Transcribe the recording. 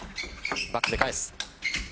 バックで返す。